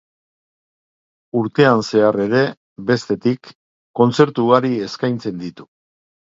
Urtean zehar ere, bestetik, kontzertu ugari eskaintzen ditu.